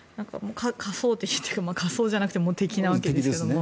仮想敵というか仮想ではなくてもう、敵なわけですけれども。